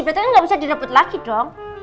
betulnya nggak bisa didapet lagi dong